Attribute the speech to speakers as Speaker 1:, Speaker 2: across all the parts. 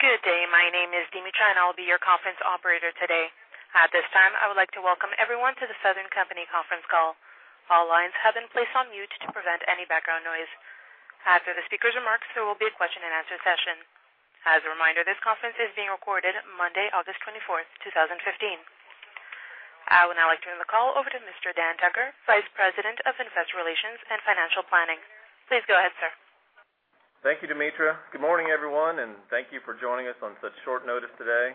Speaker 1: Good day. My name is Demetra, and I'll be your conference operator today. At this time, I would like to welcome everyone to the Southern Company conference call. All lines have been placed on mute to prevent any background noise. After the speaker's remarks, there will be a question-and-answer session. As a reminder, this conference is being recorded Monday, August 24, 2015. I would now like to turn the call over to Mr. Dan Tucker, Vice President of Investor Relations and Financial Planning. Please go ahead, sir.
Speaker 2: Thank you, Demetra. Good morning, everyone, thank you for joining us on such short notice today.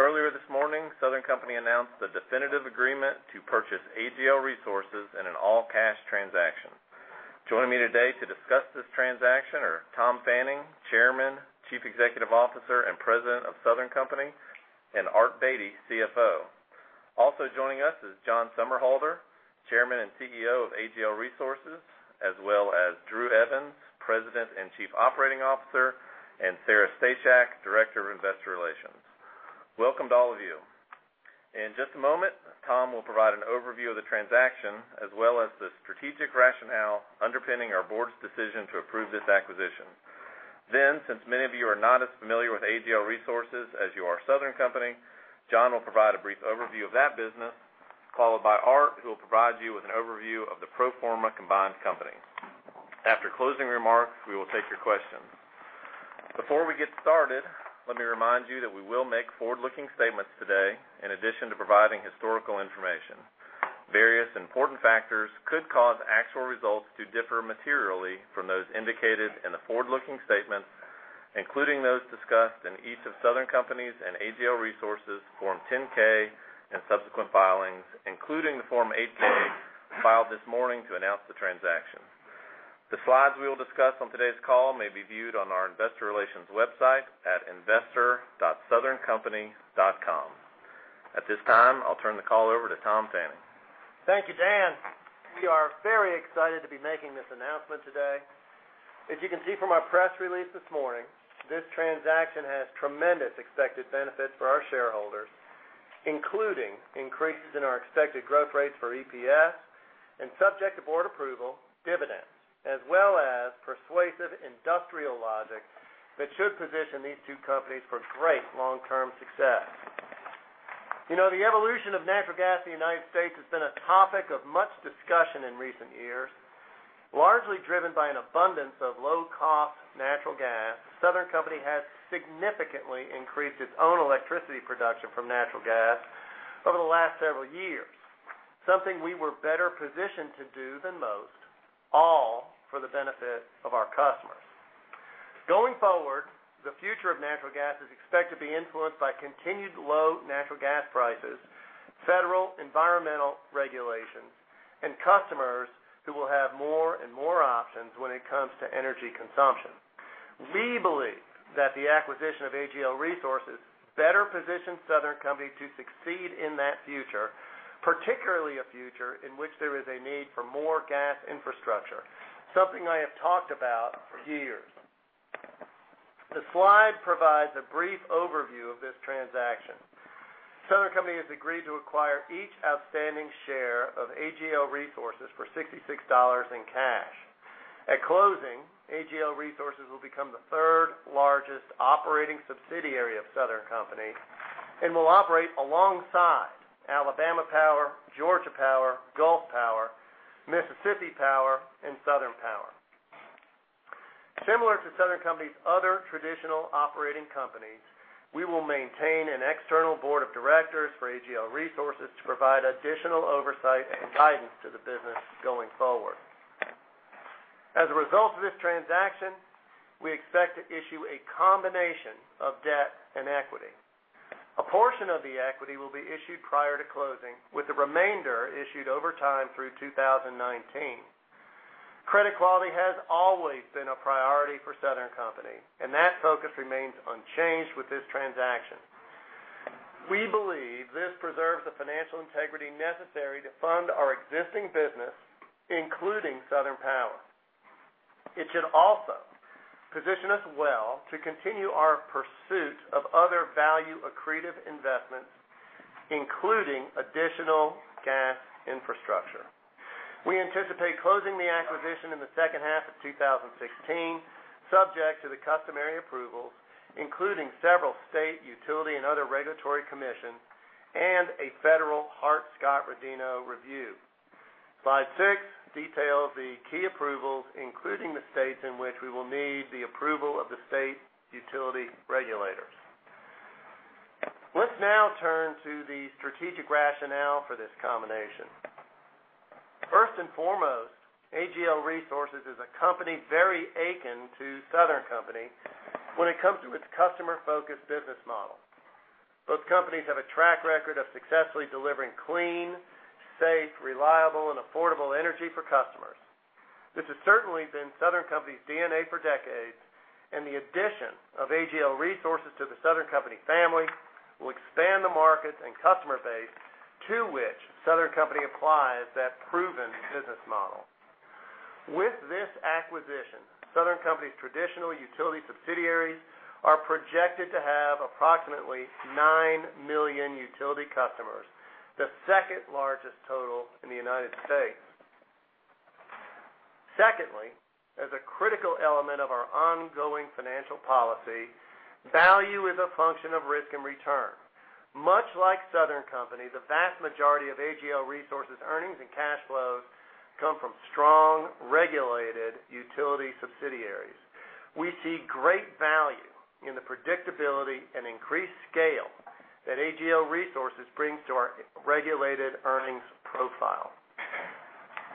Speaker 2: Earlier this morning, Southern Company announced the definitive agreement to purchase AGL Resources in an all-cash transaction. Joining me today to discuss this transaction are Tom Fanning, Chairman, Chief Executive Officer, and President of Southern Company, Art Beattie, CFO. Also joining us is John Somerhalder, Chairman and CEO of AGL Resources, as well as Drew Evans, President and Chief Operating Officer, Sarah Stachacz, Director of Investor Relations. Welcome to all of you. In just a moment, Tom will provide an overview of the transaction as well as the strategic rationale underpinning our board's decision to approve this acquisition. Since many of you are not as familiar with AGL Resources as you are Southern Company, John will provide a brief overview of that business, followed by Art, who will provide you with an overview of the pro forma combined company. After closing remarks, we will take your questions. Before we get started, let me remind you that we will make forward-looking statements today in addition to providing historical information. Various important factors could cause actual results to differ materially from those indicated in the forward-looking statements, including those discussed in each of Southern Company's and AGL Resources' Form 10-K and subsequent filings, including the Form 8-K filed this morning to announce the transaction. The slides we will discuss on today's call may be viewed on our investor relations website at investor.southerncompany.com. At this time, I'll turn the call over to Tom Fanning.
Speaker 3: Thank you, Dan. We are very excited to be making this announcement today. As you can see from our press release this morning, this transaction has tremendous expected benefits for our shareholders, including increases in our expected growth rates for EPS and, subject to board approval, dividends, as well as persuasive industrial logic that should position these two companies for great long-term success. The evolution of natural gas in the U.S. has been a topic of much discussion in recent years, largely driven by an abundance of low-cost natural gas. Southern Company has significantly increased its own electricity production from natural gas over the last several years, something we were better positioned to do than most, all for the benefit of our customers. Going forward, the future of natural gas is expected to be influenced by continued low natural gas prices, federal environmental regulations, and customers who will have more and more options when it comes to energy consumption. We believe that the acquisition of AGL Resources better positions Southern Company to succeed in that future, particularly a future in which there is a need for more gas infrastructure, something I have talked about for years. The slide provides a brief overview of this transaction. Southern Company has agreed to acquire each outstanding share of AGL Resources for $66 in cash. At closing, AGL Resources will become the third-largest operating subsidiary of Southern Company and will operate alongside Alabama Power, Georgia Power, Gulf Power, Mississippi Power, and Southern Power. Similar to Southern Company's other traditional operating companies, we will maintain an external board of directors for AGL Resources to provide additional oversight and guidance to the business going forward. As a result of this transaction, we expect to issue a combination of debt and equity. A portion of the equity will be issued prior to closing, with the remainder issued over time through 2019. Credit quality has always been a priority for Southern Company, and that focus remains unchanged with this transaction. We believe this preserves the financial integrity necessary to fund our existing business, including Southern Power. It should also position us well to continue our pursuit of other value-accretive investments, including additional gas infrastructure. We anticipate closing the acquisition in the second half of 2016, subject to the customary approvals, including several state, utility, and other regulatory commissions, and a federal Hart-Scott-Rodino review. Slide six details the key approvals, including the states in which we will need the approval of the state utility regulators. Let's now turn to the strategic rationale for this combination. First and foremost, AGL Resources is a company very akin to Southern Company when it comes to its customer-focused business model. Both companies have a track record of successfully delivering clean, safe, reliable, and affordable energy for customers. This has certainly been Southern Company's DNA for decades, and the addition of AGL Resources to the Southern Company family will expand the markets and customer base to which Southern Company applies that proven business model. With this acquisition, Southern Company's traditional utility subsidiaries are projected to have approximately nine million utility customers, the second-largest total in the U.S. Secondly, as a critical element of our ongoing financial policy, value is a function of risk and return. Much like Southern Company, the vast majority of AGL Resources' earnings and cash flows come from strong regulated utility subsidiaries. We see great value in the predictability and increased scale that AGL Resources brings to our regulated earnings profile.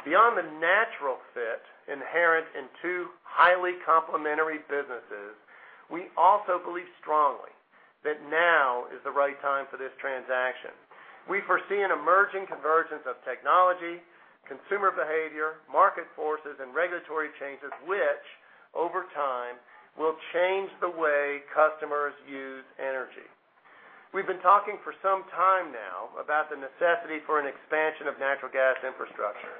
Speaker 3: Beyond the natural fit inherent in two highly complementary businesses, we also believe strongly that now is the right time for this transaction. We foresee an emerging convergence of technology, consumer behavior, market forces, and regulatory changes which, over time, will change the way customers use energy. We've been talking for some time now about the necessity for an expansion of natural gas infrastructure.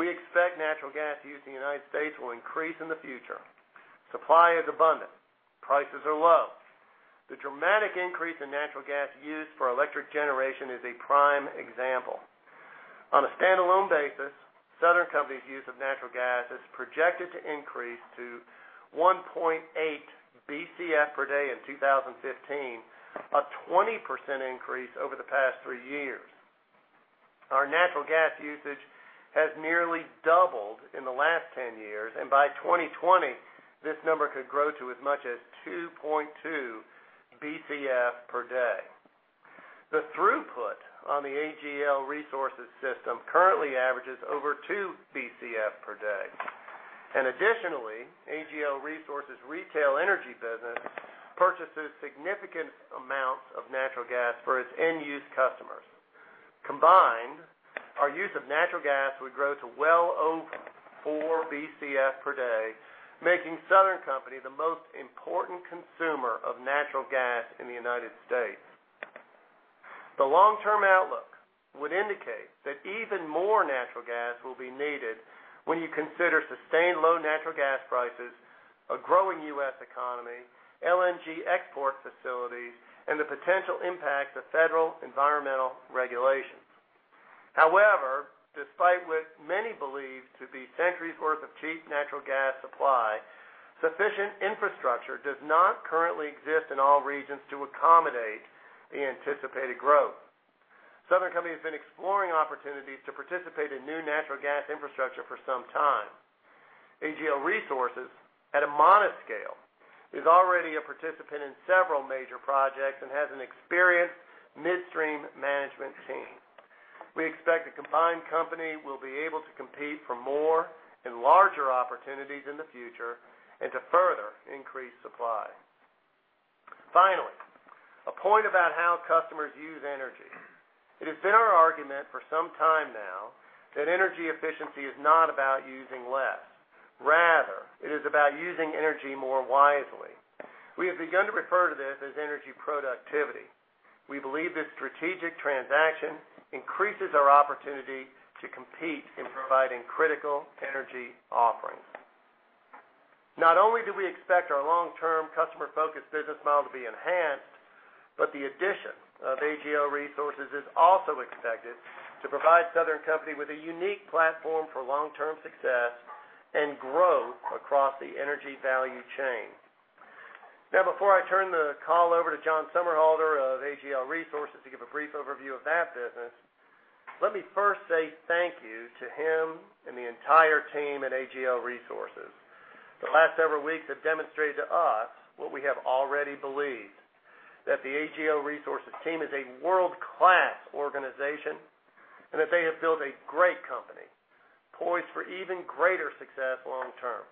Speaker 3: We expect natural gas use in the U.S. will increase in the future. Supply is abundant. Prices are low. The dramatic increase in natural gas used for electric generation is a prime example. On a standalone basis, Southern Company's use of natural gas is projected to increase to 1.8 BCF per day in 2015, a 20% increase over the past three years. Our natural gas usage has nearly doubled in the last 10 years, and by 2020, this number could grow to as much as 2.2 BCF per day. The throughput on the AGL Resources system currently averages over two BCF per day. Additionally, AGL Resources' retail energy business purchases significant amounts of natural gas for its end-use customers. Combined, our use of natural gas would grow to well over four BCF per day, making Southern Company the most important consumer of natural gas in the U.S. The long-term outlook would indicate that even more natural gas will be needed when you consider sustained low natural gas prices, a growing U.S. economy, LNG export facilities, and the potential impact of federal environmental regulations. However, despite what many believe to be centuries' worth of cheap natural gas supply, sufficient infrastructure does not currently exist in all regions to accommodate the anticipated growth. Southern Company has been exploring opportunities to participate in new natural gas infrastructure for some time. AGL Resources, at a modest scale, is already a participant in several major projects and has an experienced midstream management team. We expect the combined company will be able to compete for more and larger opportunities in the future and to further increase supply. Finally, a point about how customers use energy. It has been our argument for some time now that energy efficiency is not about using less. Rather, it is about using energy more wisely. We have begun to refer to this as energy productivity. We believe this strategic transaction increases our opportunity to compete in providing critical energy offerings. Not only do we expect our long-term customer-focused business model to be enhanced, but the addition of AGL Resources is also expected to provide Southern Company with a unique platform for long-term success and growth across the energy value chain. Now, before I turn the call over to John Somerhalder of AGL Resources to give a brief overview of that business, let me first say thank you to him and the entire team at AGL Resources. The last several weeks have demonstrated to us what we have already believed, that the AGL Resources team is a world-class organization, and that they have built a great company poised for even greater success long term.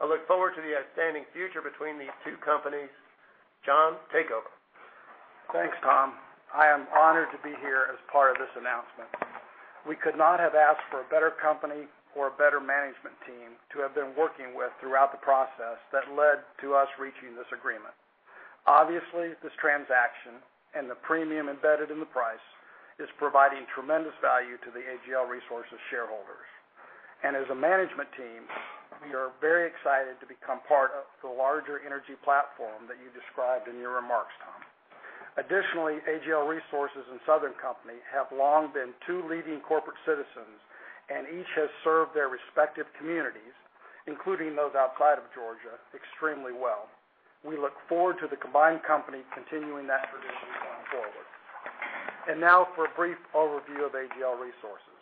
Speaker 3: I look forward to the outstanding future between these two companies. John, take over.
Speaker 4: Thanks, Tom. I am honored to be here as part of this announcement. We could not have asked for a better company or a better management team to have been working with throughout the process that led to us reaching this agreement. Obviously, this transaction and the premium embedded in the price is providing tremendous value to the AGL Resources shareholders. As a management team, we are very excited to become part of the larger energy platform that you described in your remarks, Tom. Additionally, AGL Resources and Southern Company have long been two leading corporate citizens, and each has served their respective communities, including those outside of Georgia, extremely well. We look forward to the combined company continuing that tradition going forward. Now for a brief overview of AGL Resources.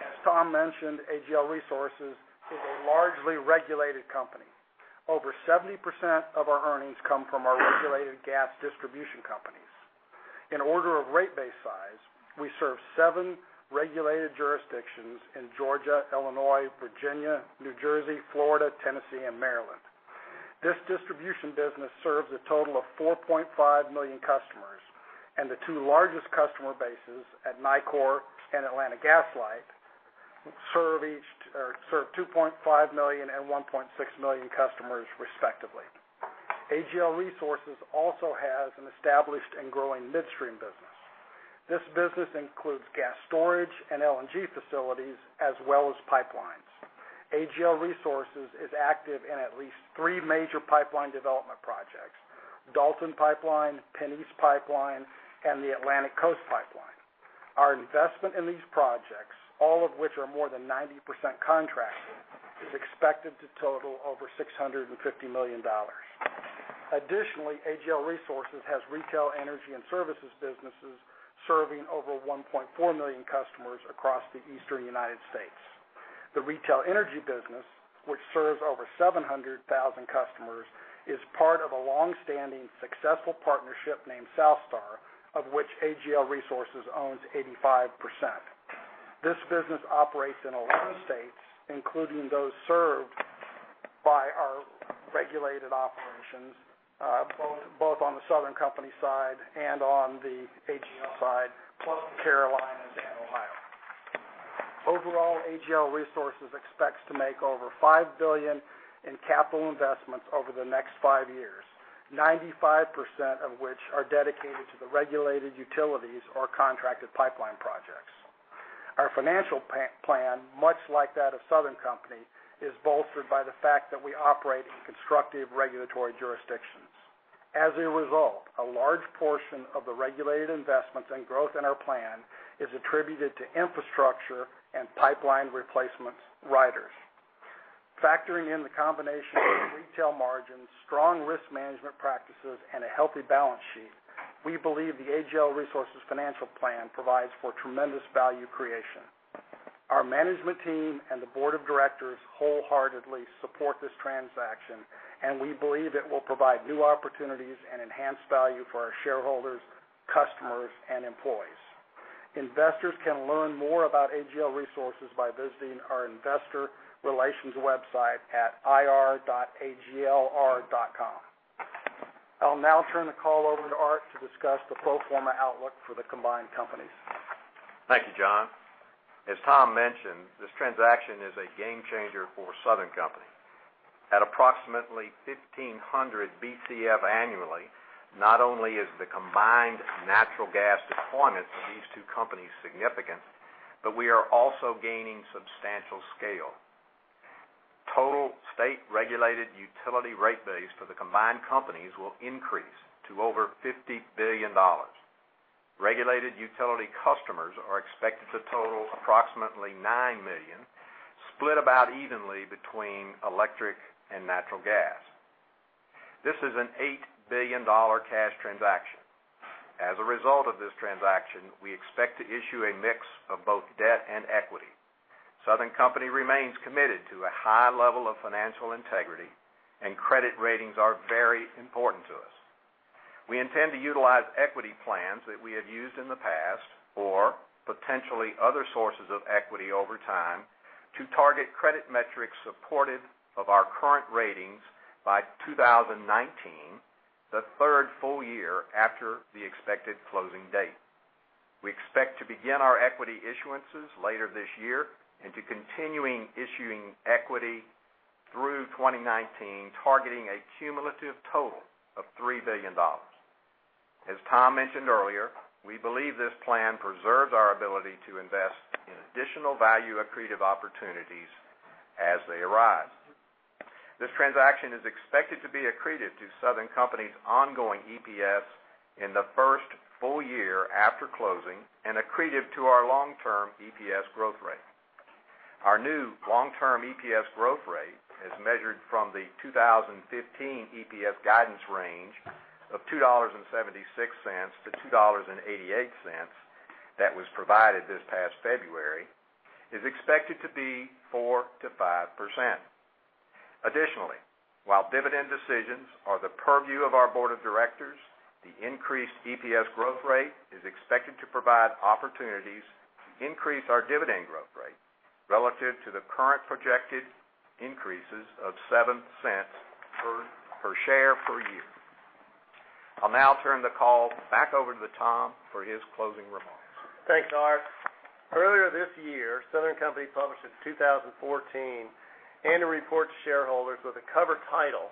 Speaker 4: As Tom mentioned, AGL Resources is a largely regulated company. Over 70% of our earnings come from our regulated gas distribution companies. In order of rate base size, we serve seven regulated jurisdictions in Georgia, Illinois, Virginia, New Jersey, Florida, Tennessee, and Maryland. This distribution business serves a total of 4.5 million customers, and the two largest customer bases at Nicor and Atlanta Gas Light serve 2.5 million and 1.6 million customers respectively. AGL Resources also has an established and growing midstream business. This business includes gas storage and LNG facilities, as well as pipelines. AGL Resources is active in at least three major pipeline development projects, Dalton Pipeline, PennEast Pipeline, and the Atlantic Coast Pipeline. Our investment in these projects, all of which are more than 90% contracted, is expected to total over $650 million. Additionally, AGL Resources has retail energy and services businesses serving over 1.4 million customers across the Eastern United States. The retail energy business, which serves over 700,000 customers, is part of a longstanding successful partnership named SouthStar, of which AGL Resources owns 85%. This business operates in 11 states, including those served by our regulated operations, both on the Southern Company side and on the AGL side, plus the Carolinas and Ohio. Overall, AGL Resources expects to make over $5 billion in capital investments over the next five years, 95% of which are dedicated to the regulated utilities or contracted pipeline projects. Our financial plan, much like that of Southern Company, is bolstered by the fact that we operate in constructive regulatory jurisdictions. As a result, a large portion of the regulated investments and growth in our plan is attributed to infrastructure and pipeline replacement riders. Factoring in the combination of retail margins, strong risk management practices, and a healthy balance sheet, we believe the AGL Resources financial plan provides for tremendous value creation. Our management team and the board of directors wholeheartedly support this transaction, and we believe it will provide new opportunities and enhance value for our shareholders, customers, and employees. Investors can learn more about AGL Resources by visiting our investor relations website at ir.aglr.com. I'll now turn the call over to Art to discuss the pro forma outlook for the combined companies.
Speaker 5: Thank you, John. As Tom mentioned, this transaction is a game changer for Southern Company. At approximately 1,500 Bcf annually, not only is the combined natural gas deployment of these two companies significant, but we are also gaining substantial scale. Total state-regulated utility rate base for the combined companies will increase to over $50 billion. Regulated utility customers are expected to total approximately nine million, split about evenly between electric and natural gas. This is an $8 billion cash transaction. As a result of this transaction, we expect to issue a mix of both debt and equity. Southern Company remains committed to a high level of financial integrity, and credit ratings are very important to us. We intend to utilize equity plans that we have used in the past or potentially other sources of equity over time to target credit metrics supportive of our current ratings by 2019, the third full year after the expected closing date. We expect to begin our equity issuances later this year and to continuing issuing equity through 2019, targeting a cumulative total of $3 billion. As Tom mentioned earlier, we believe this plan preserves our ability to invest in additional value-accretive opportunities as they arise. This transaction is expected to be accretive to Southern Company's ongoing EPS in the first full year after closing and accretive to our long-term EPS growth rate. Our new long-term EPS growth rate, as measured from the 2015 EPS guidance range of $2.76-$2.88 that was provided this past February, is expected to be 4%-5%. While dividend decisions are the purview of our board of directors, the increased EPS growth rate is expected to provide opportunities to increase our dividend growth rate relative to the current projected increases of $0.07 per share per year. I'll now turn the call back over to Tom for his closing remarks.
Speaker 3: Thanks, Art. Earlier this year, Southern Company published its 2014 annual report to shareholders with a cover title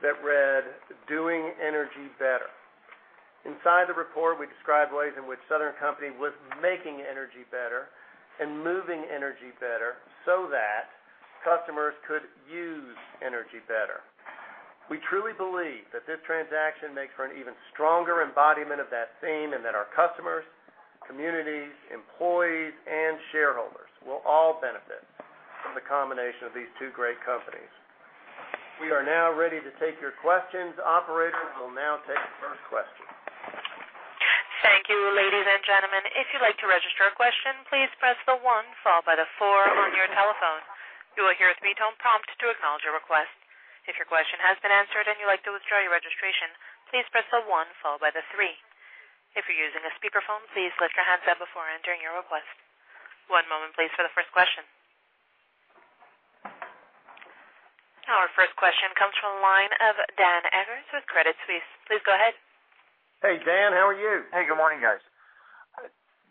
Speaker 3: that read, "Doing Energy Better." Inside the report, we described ways in which Southern Company was making energy better and moving energy better so that customers could use energy better. We truly believe that this transaction makes for an even stronger embodiment of that theme and that our customers, communities, employees, and shareholders will all benefit from the combination of these two great companies. We are now ready to take your questions. Operator, we'll now take the first question.
Speaker 1: Thank you, ladies and gentlemen. If you'd like to register a question, please press the one followed by the four on your telephone. You will hear a speed tone prompt to acknowledge your request. If your question has been answered and you'd like to withdraw your registration, please press the one followed by the three. If you're using a speakerphone, please lift your handset before entering your request. One moment please for the first question. Our first question comes from the line of Dan Eggers with Credit Suisse. Please go ahead.
Speaker 3: Hey, Dan. How are you?
Speaker 6: Hey, good morning, guys.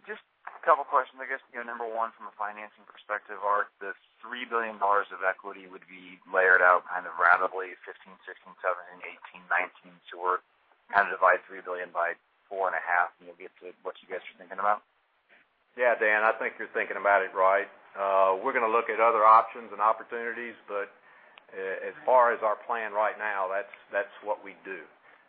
Speaker 6: Just a couple of questions, I guess. Number one, from a financing perspective, Art, this $3 billion of equity would be layered out ratably 2015, 2016, 2017, and 2018, 2019. We're dividing $3 billion by four and a half, and you'll get to what you guys are thinking about?
Speaker 5: Yeah, Dan, I think you're thinking about it right. We're going to look at other options and opportunities, as far as our plan right now, that's what we'd do.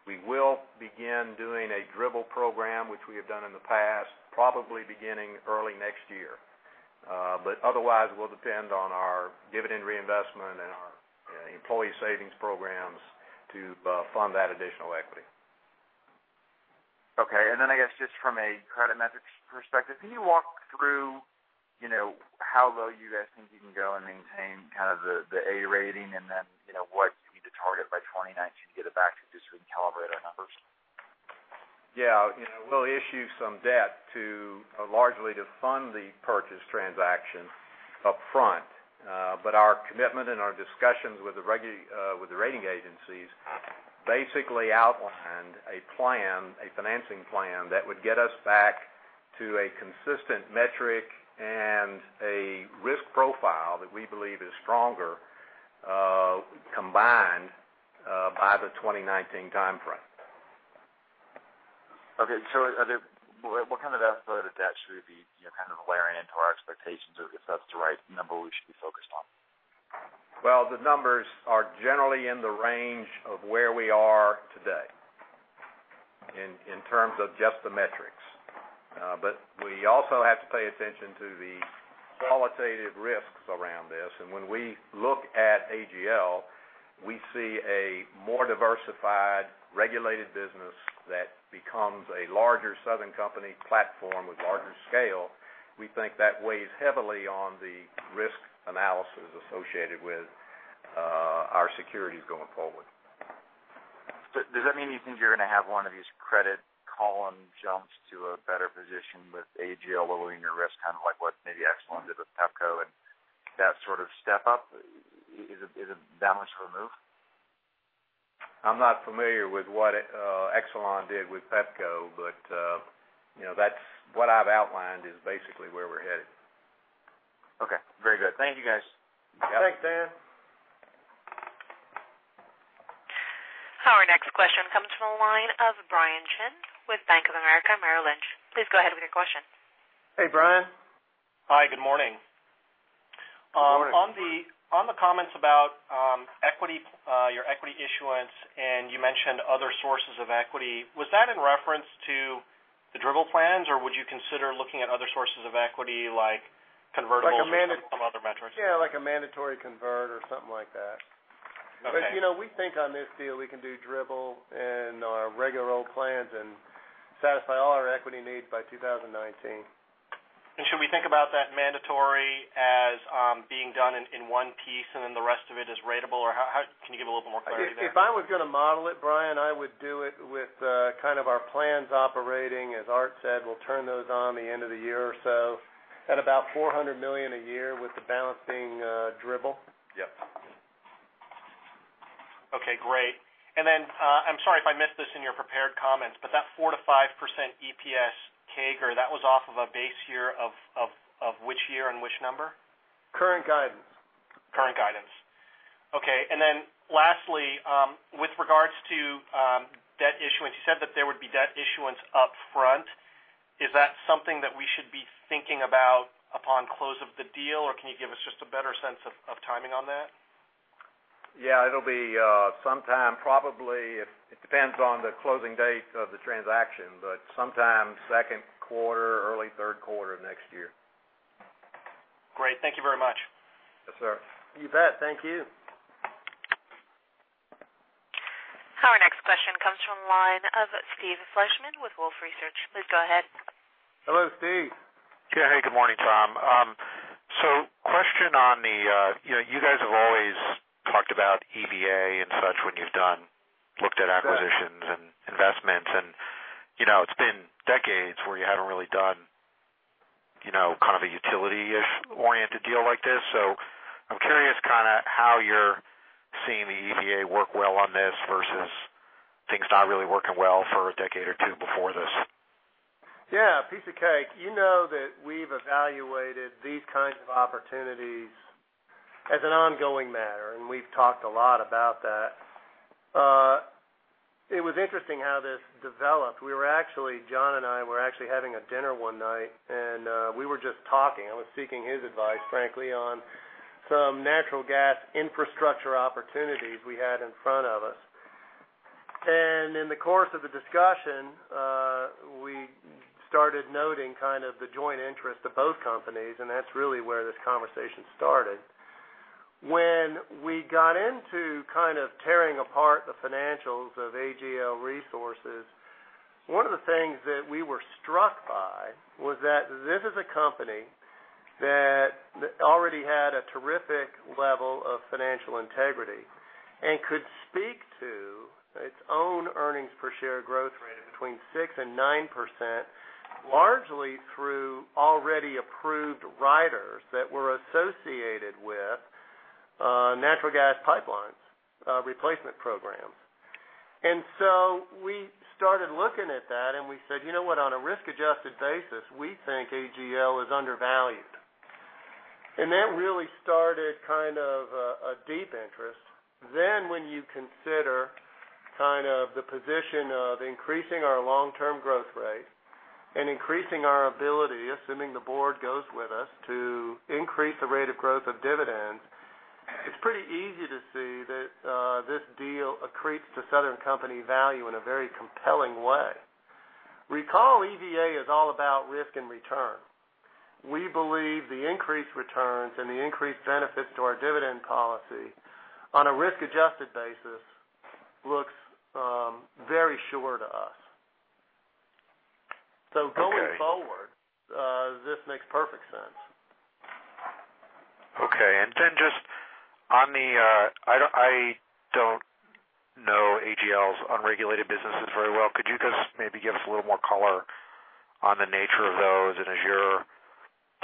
Speaker 5: We will begin doing a DRIP program, which we have done in the past, probably beginning early next year. Otherwise, we'll depend on our dividend reinvestment and our employee savings programs to fund that additional equity.
Speaker 6: Okay, I guess just from a credit metrics perspective, can you walk through how low you guys think you can go and maintain kind of the A rating and then what you need to target by 2019 to get it back to just recalibrate our numbers?
Speaker 5: Yeah. We'll issue some debt largely to fund the purchase transaction upfront. Our commitment and our discussions with the rating agencies basically outlined a financing plan that would get us back to a consistent metric and a risk profile that we believe is stronger combined by the 2019 timeframe.
Speaker 6: Okay, what kind of debt service debt should we be kind of layering into our expectations or if that's the right number we should be focused on?
Speaker 5: Well, the numbers are generally in the range of where we are today in terms of just the metrics. We also have to pay attention to the qualitative risks around this. When we look at AGL, we see a more diversified, regulated business that becomes a larger Southern Company platform with larger scale. We think that weighs heavily on the risk analysis associated with our securities going forward.
Speaker 6: Does that mean you think you're going to have one of these credit column jumps to a better position with AGL lowering your risk, kind of like what maybe Exelon did with Pepco and that sort of step-up? Is it that much of a move?
Speaker 5: I'm not familiar with what Exelon did with Pepco, what I've outlined is basically where we're headed.
Speaker 6: Okay. Very good. Thank you, guys.
Speaker 5: You bet.
Speaker 3: Thanks, Dan.
Speaker 1: Our next question comes from the line of Brian Chin with Bank of America Merrill Lynch. Please go ahead with your question.
Speaker 3: Hey, Brian.
Speaker 7: Hi, good morning.
Speaker 5: Good morning.
Speaker 7: On the comments about your equity issuance, and you mentioned other sources of equity. Was that in reference to the DRIP plans or would you consider looking at other sources of equity like convertibles or some other metrics?
Speaker 5: Yeah, like a mandatory convert or something like that.
Speaker 7: Okay.
Speaker 5: We think on this deal we can do DRIP and our regular old plans and satisfy all our equity needs by 2019.
Speaker 7: Should we think about that mandatory as being done in one piece, then the rest of it is ratable, or can you give a little more clarity there?
Speaker 3: If I was going to model it, Brian, I would do it with kind of our plans operating. As Art said, we'll turn those on the end of the year or so at about $400 million a year with the balancing DRIP.
Speaker 7: Yep. Okay, great. I'm sorry if I missed this in your prepared comments, but that 4%-5% EPS CAGR, that was off of a base year of which year and which number?
Speaker 5: Current guidance.
Speaker 7: Current guidance. Okay, lastly, with regards to debt issuance, you said that there would be debt issuance upfront. Is that something that we should be thinking about upon close of the deal, or can you give us just a better sense of timing on that?
Speaker 5: It will be sometime probably. It depends on the closing date of the transaction, but sometime second quarter, early third quarter of next year.
Speaker 7: Great. Thank you very much.
Speaker 5: Yes, sir.
Speaker 3: You bet. Thank you.
Speaker 1: Our next question comes from the line of Steven Fleishman with Wolfe Research. Please go ahead.
Speaker 3: Hello, Steve.
Speaker 8: Yeah. Hey, good morning, Tom. You guys have always talked about EVA and such when you've looked at acquisitions and investments, and it's been decades where you haven't really done kind of a utility-ish oriented deal like this. I'm curious kind of how you're seeing the EVA work well on this versus things not really working well for a decade or two before this.
Speaker 5: Yeah, piece of cake. You know that we've evaluated these kinds of opportunities as an ongoing matter. We've talked a lot about that. It was interesting how this developed. John and I were actually having a dinner one night and we were just talking. I was seeking his advice, frankly, on some natural gas infrastructure opportunities we had in front of us. In the course of the discussion, we started noting kind of the joint interest of both companies. That's really where this conversation started. When we got into kind of tearing apart the financials of AGL Resources, one of the things that we were struck by was that this is a company that already had a terrific level of financial integrity and could speak to its own earnings per share growth rate of between 6% and 9%, largely through already approved riders that were associated with natural gas pipelines replacement programs. We started looking at that, and we said, "You know what? On a risk-adjusted basis, we think AGL is undervalued." That really started kind of a deep interest. When you consider kind of the position of increasing our long-term growth rate and increasing our ability, assuming the board goes with us, to increase the rate of growth of dividends
Speaker 3: It's pretty easy to see that this deal accretes to Southern Company value in a very compelling way. Recall, EVA is all about risk and return. We believe the increased returns and the increased benefits to our dividend policy on a risk-adjusted basis looks very sure to us.
Speaker 8: Okay.
Speaker 3: Going forward, this makes perfect sense.
Speaker 8: Okay. I don't know AGL's unregulated businesses very well. Could you just maybe give us a little more color on the nature of those? Is your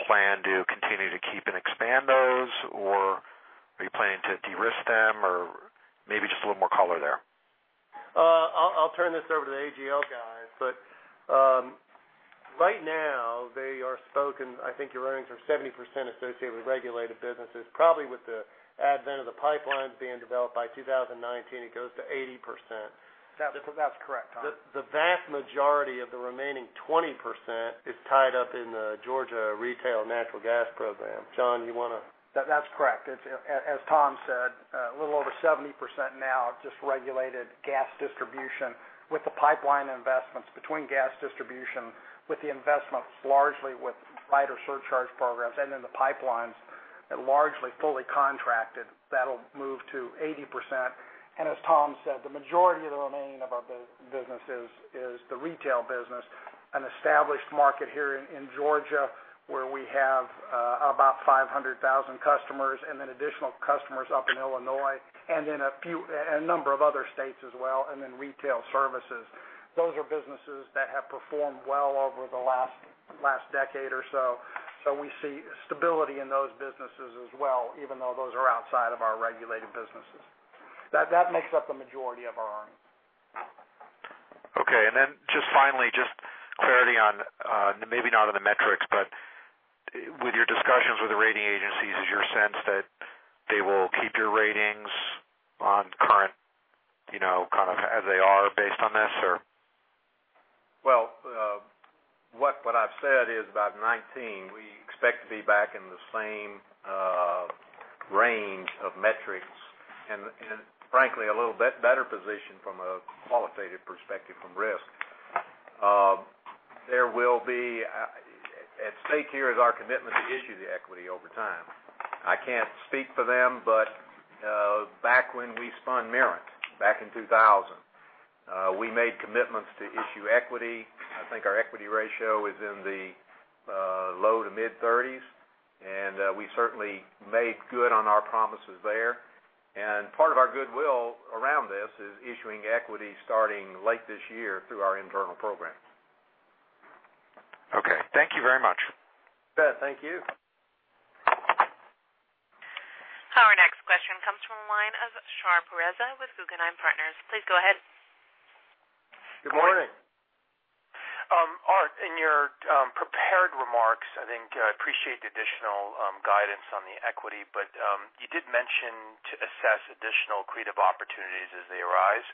Speaker 8: plan to continue to keep and expand those, or are you planning to de-risk them? Maybe just a little more color there.
Speaker 3: I'll turn this over to the AGL guys. Right now they are spoken, I think your earnings are 70% associated with regulated businesses. Probably with the advent of the pipelines being developed by 2019, it goes to 80%.
Speaker 4: That's correct, Tom.
Speaker 3: The vast majority of the remaining 20% is tied up in the Georgia retail natural gas program. John, you want to?
Speaker 4: That's correct. As Tom said, a little over 70% now just regulated gas distribution with the pipeline investments between gas distribution, with the investments largely with rider surcharge programs, then the pipelines that largely fully contracted, that'll move to 80%. As Tom said, the majority of the remaining of our business is the retail business, an established market here in Georgia, where we have about 500,000 customers and then additional customers up in Illinois and in a number of other states as well, and then retail services. Those are businesses that have performed well over the last decade or so. We see stability in those businesses as well, even though those are outside of our regulated businesses. That makes up the majority of our earnings.
Speaker 8: Okay. Then just finally, just clarity on, maybe not on the metrics, but with your discussions with the rating agencies, is your sense that they will keep your ratings on current as they are based on this, or?
Speaker 5: Well, what I've said is about 2019, we expect to be back in the same range of metrics and frankly, a little bit better position from a qualitative perspective from risk. At stake here is our commitment to issue the equity over time. I can't speak for them, but back when we spun Mirant back in 2000, we made commitments to issue equity. I think our equity ratio is in the low to mid-30s, we certainly made good on our promises there. Part of our goodwill around this is issuing equity starting late this year through our internal programs.
Speaker 8: Okay. Thank you very much.
Speaker 5: You bet. Thank you.
Speaker 1: Our next question comes from the line of Shahriar Pourreza with Guggenheim Partners. Please go ahead.
Speaker 3: Good morning.
Speaker 9: Art, in your prepared remarks, I think I appreciate the additional guidance on the equity, but you did mention to assess additional creative opportunities as they arise.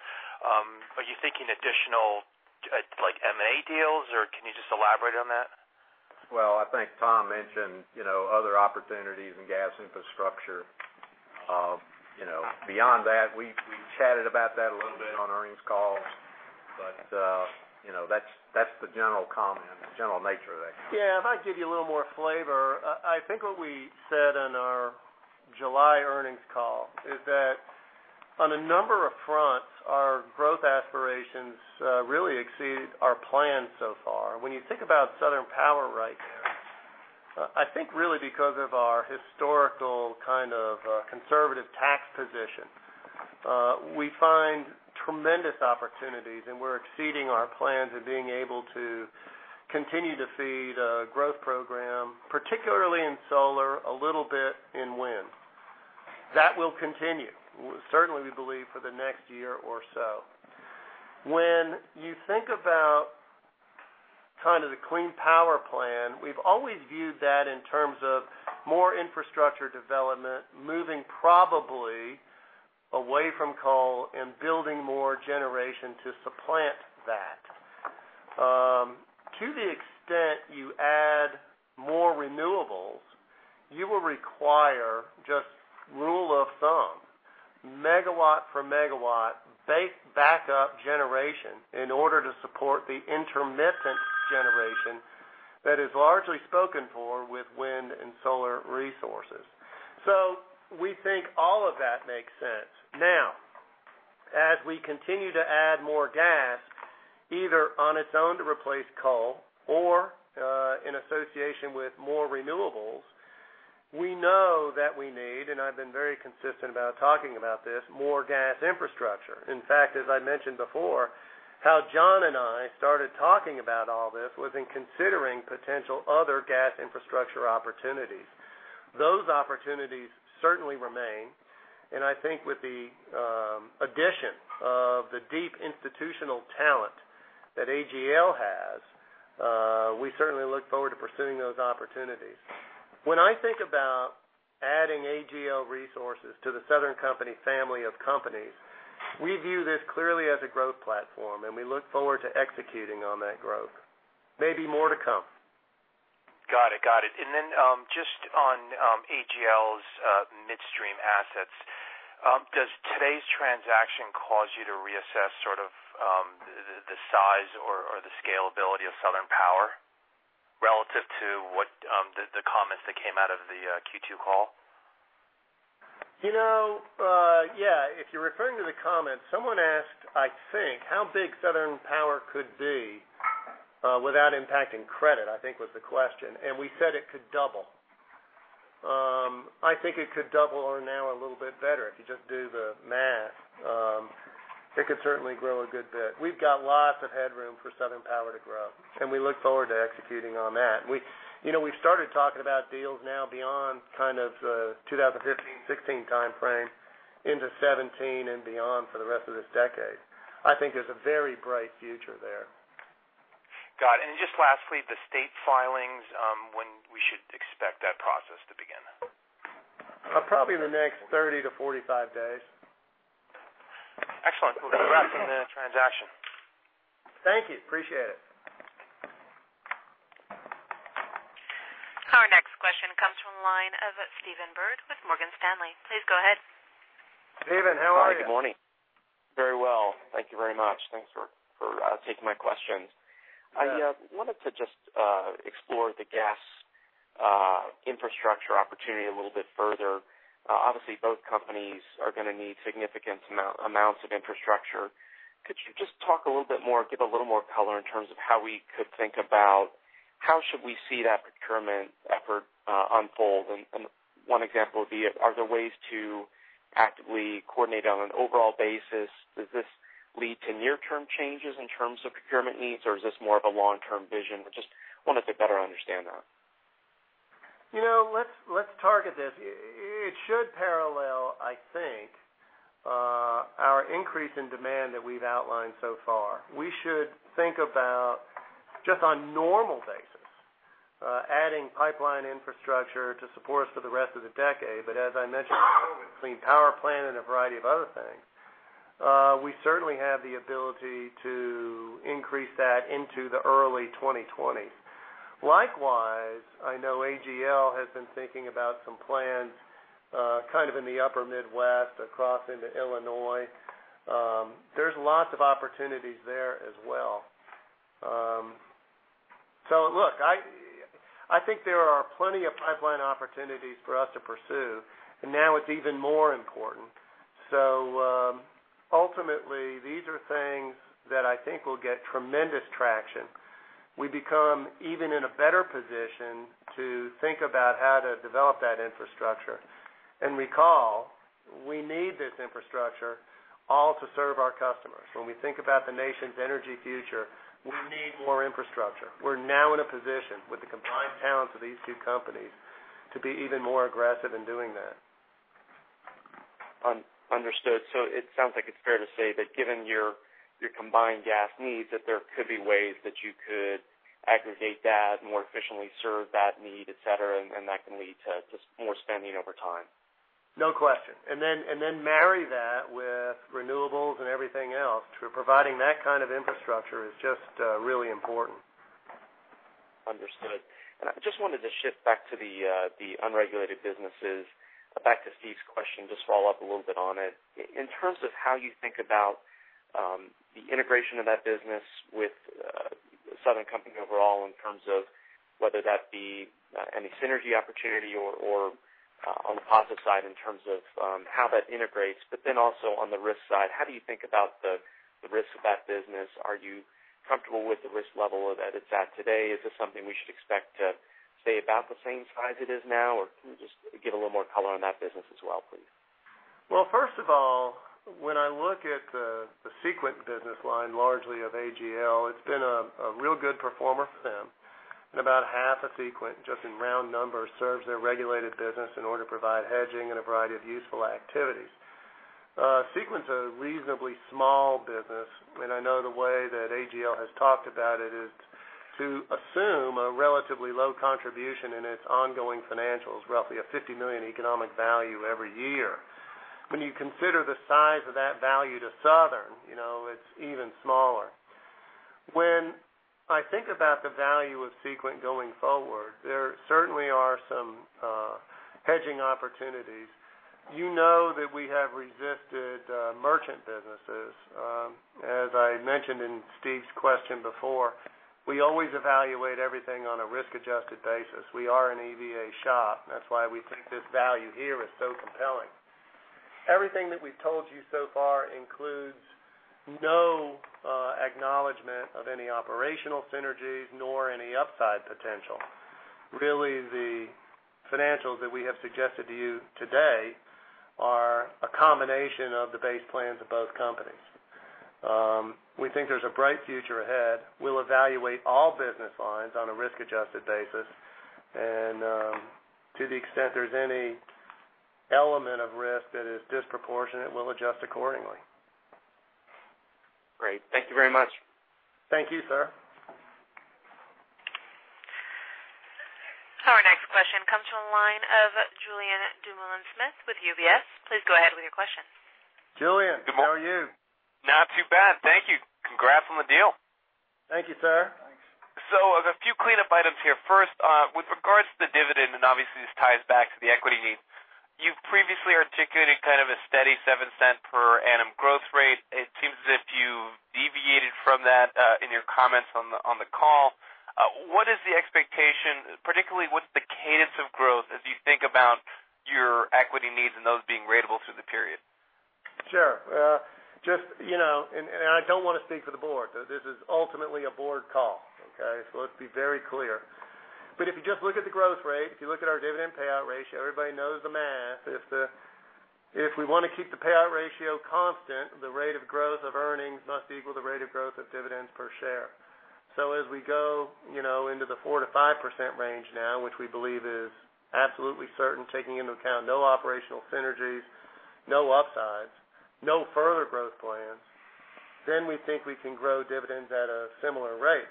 Speaker 9: Are you thinking additional like M&A deals, or can you just elaborate on that?
Speaker 5: Well, I think Tom mentioned other opportunities in gas infrastructure. Beyond that, we chatted about that a little bit on earnings calls, that's the general comment, general nature of that.
Speaker 3: Yeah. If I can give you a little more flavor. I think what we said on our July earnings call is that on a number of fronts, our growth aspirations really exceed our plans so far. When you think about Southern Power right now, I think really because of our historical kind of conservative tax position, we find tremendous opportunities and we're exceeding our plans and being able to continue to feed a growth program, particularly in solar, a little bit in wind. That will continue. Certainly, we believe for the next year or so. When you think about kind of the Clean Power Plan, we've always viewed that in terms of more infrastructure development, moving probably away from coal and building more generation to supplant that. To the extent you add more renewables, you will require just rule of thumb, megawatt per megawatt base backup generation in order to support the intermittent generation that is largely spoken for with wind and solar resources. We think all of that makes sense. Now, as we continue to add more gas, either on its own to replace coal or in association with more renewables, we know that we need, and I've been very consistent about talking about this, more gas infrastructure. In fact, as I mentioned before, how John and I started talking about all this was in considering potential other gas infrastructure opportunities. Those opportunities certainly remain, and I think with the addition of the deep institutional talent that AGL has, we certainly look forward to pursuing those opportunities. When I think about adding AGL Resources to the Southern Company family of companies, we view this clearly as a growth platform, we look forward to executing on that growth. Maybe more to come.
Speaker 9: Got it. Just on AGL's midstream assets, does today's transaction cause you to reassess the size or the scalability of Southern Power relative to the comments that came out of the Q2 call?
Speaker 3: Yeah. If you're referring to the comments, someone asked, I think, how big Southern Power could be without impacting credit, I think was the question. We said it could double. I think it could double or now a little bit better. If you just do the math, it could certainly grow a good bit. We've got lots of headroom for Southern Power to grow. We look forward to executing on that. We've started talking about deals now beyond kind of the 2015, 2016 timeframe into 2017 and beyond for the rest of this decade. I think there's a very bright future there.
Speaker 9: Got it. Just lastly, the state filings, when we should expect that process to begin?
Speaker 3: Probably in the next 30 to 45 days.
Speaker 9: Excellent. Well, congrats on the transaction.
Speaker 3: Thank you. Appreciate it.
Speaker 1: Our next question comes from the line of Stephen Byrd with Morgan Stanley. Please go ahead.
Speaker 3: Stephen, how are you?
Speaker 10: Hi, good morning. Very well. Thank you very much. Thanks for taking my questions.
Speaker 3: Yeah.
Speaker 10: I wanted to just explore the gas infrastructure opportunity a little bit further. Obviously, both companies are going to need significant amounts of infrastructure. Could you just talk a little bit more, give a little more color in terms of how we could think about how should we see that procurement effort unfold? One example would be, are there ways to actively coordinate on an overall basis? Does this lead to near-term changes in terms of procurement needs, or is this more of a long-term vision? I just wanted to better understand that.
Speaker 3: Let's target this. It should parallel, I think, our increase in demand that we've outlined so far. We should think about just on normal basis, adding pipeline infrastructure to support us for the rest of the decade. As I mentioned before, between power plant and a variety of other things, we certainly have the ability to increase that into the early 2020s. Likewise, I know AGL has been thinking about some plans kind of in the upper Midwest across into Illinois. There's lots of opportunities there as well. Look, I think there are plenty of pipeline opportunities for us to pursue, and now it's even more important. Ultimately, these are things that I think will get tremendous traction. We become even in a better position to think about how to develop that infrastructure. Recall, we need this infrastructure all to serve our customers. When we think about the nation's energy future, we need more infrastructure. We're now in a position with the combined talents of these two companies to be even more aggressive in doing that.
Speaker 10: Understood. It sounds like it's fair to say that given your combined gas needs, that there could be ways that you could aggregate that more efficiently, serve that need, et cetera, and that can lead to just more spending over time.
Speaker 3: No question. Marry that with renewables and everything else. Providing that kind of infrastructure is just really important.
Speaker 10: Understood. I just wanted to shift back to the unregulated businesses, back to Steven's question, just follow up a little bit on it. In terms of how you think about the integration of that business with Southern Company overall, in terms of whether that be any synergy opportunity or on the positive side in terms of how that integrates. Also on the risk side, how do you think about the risks of that business? Are you comfortable with the risk level that it's at today? Is this something we should expect to stay about the same size it is now, or can you just give a little more color on that business as well, please?
Speaker 3: Well, first of all, when I look at the Sequent business line largely of AGL, it's been a real good performer for them. About half of Sequent, just in round numbers, serves their regulated business in order to provide hedging and a variety of useful activities. Sequent's a reasonably small business, and I know the way that AGL has talked about it is to assume a relatively low contribution in its ongoing financials, roughly a $50 million economic value every year. When you consider the size of that value to Southern, it's even smaller. When I think about the value of Sequent going forward, there certainly are some hedging opportunities. You know that we have resisted merchant businesses. As I mentioned in Steven's question before, we always evaluate everything on a risk-adjusted basis. We are an EVA shop. That's why we think this value here is so compelling. Everything that we've told you so far includes no acknowledgment of any operational synergies nor any upside potential. Really, the financials that we have suggested to you today are a combination of the base plans of both companies. We think there's a bright future ahead. We'll evaluate all business lines on a risk-adjusted basis, and to the extent there's any element of risk that is disproportionate, we'll adjust accordingly.
Speaker 10: Great. Thank you very much.
Speaker 3: Thank you, sir.
Speaker 1: Our next question comes from the line of Julien Dumoulin-Smith with UBS. Please go ahead with your question.
Speaker 3: Julien, how are you?
Speaker 11: Not too bad, thank you. Congrats on the deal.
Speaker 3: Thank you, sir.
Speaker 4: Thanks.
Speaker 11: A few cleanup items here. First, with regards to the dividend, and obviously this ties back to the equity needs. You've previously articulated kind of a steady $0.07 per annum growth rate. It seems as if you've deviated from that in your comments on the call. What is the expectation? Particularly, what's the cadence of growth as you think about your equity needs and those being ratable through the period?
Speaker 3: Sure. I don't want to speak for the board. This is ultimately a board call. Okay? Let's be very clear. If you just look at the growth rate, if you look at our dividend payout ratio, everybody knows the math. If we want to keep the payout ratio constant, the rate of growth of earnings must equal the rate of growth of dividends per share. As we go into the 4%-5% range now, which we believe is absolutely certain, taking into account no operational synergies, no upsides, no further growth plans, then we think we can grow dividends at a similar rate.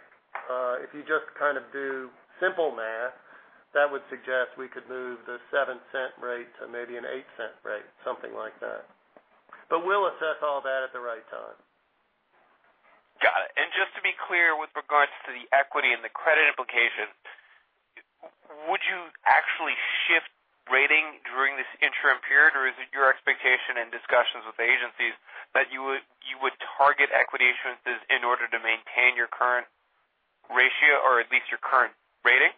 Speaker 3: If you just kind of do simple math, that would suggest we could move the $0.07 rate to maybe an $0.08 rate, something like that. We'll assess all that at the right time.
Speaker 11: Got it. Just to be clear, with regards to the equity and the credit implications, would you actually shift rating during this interim period? Is it your expectation and discussions with the agencies that you would target equity issuances in order to maintain your current ratio or at least your current rating?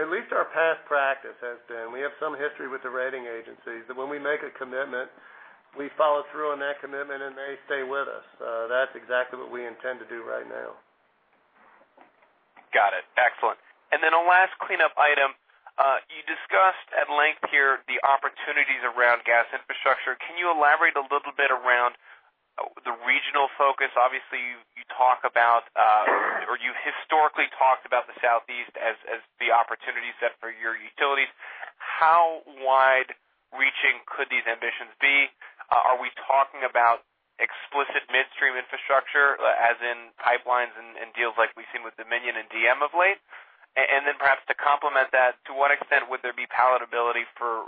Speaker 3: At least our past practice has been, we have some history with the rating agencies, that when we make a commitment, we follow through on that commitment, and they stay with us. That's exactly what we intend to do right now.
Speaker 11: Got it. Excellent. Then a last cleanup item. You discussed at length here the opportunities around gas infrastructure. Can you elaborate a little bit around the regional focus? Obviously, you talk about, or you historically talked about the Southeast as the opportunity set for your utilities. How wide reaching could these ambitions be? Are we talking about explicit midstream infrastructure, as in pipelines and deals like we've seen with Dominion and DM of late? Then perhaps to complement that, to what extent would there be palatability for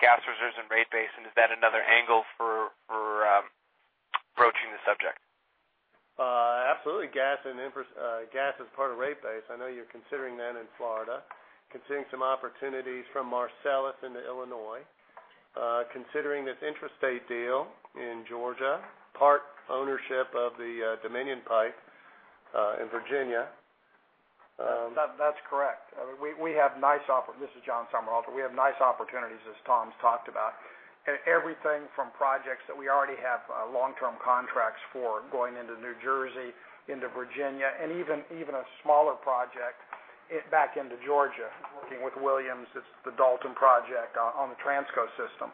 Speaker 11: gas reserves and rate base, and is that another angle for approaching the subject?
Speaker 3: Absolutely. Gas is part of rate base. I know you're considering that in Florida. Considering some opportunities from Marcellus into Illinois. Considering this intrastate deal in Georgia. Part ownership of the Dominion pipe, in Virginia.
Speaker 4: That's correct. This is John Sommer. We have nice opportunities, as Tom's talked about. Everything from projects that we already have long-term contracts for going into New Jersey, into Virginia, and even a smaller project back into Georgia, working with Williams. It's the Dalton project on the Transco system.